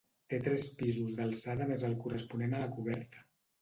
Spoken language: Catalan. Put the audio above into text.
Té tres pisos d'alçada més el corresponent a la coberta.